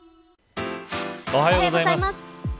おはようございます。